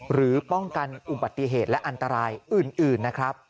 หรือป้องกันอุบัติเหตุและอันตรายอื่นนะครับ